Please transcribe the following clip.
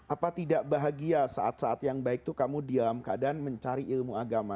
apa tidak bahagia saat saat yang baik itu kamu dalam keadaan mencari ilmu agama